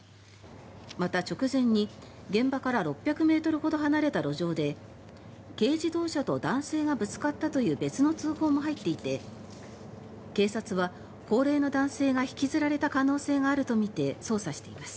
また、直前に、現場から６００ｍほど離れた路上で軽自動車と男性がぶつかったという別の通報も入っていて警察は高齢の男性が引きずられた可能性があるとみて捜査しています。